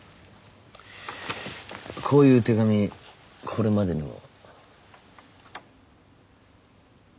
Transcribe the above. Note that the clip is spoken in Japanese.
こういう手紙これまでにも？